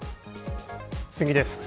次です。